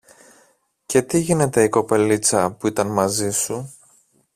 Και τι γίνεται η κοπελίτσα που ήταν μαζί σου;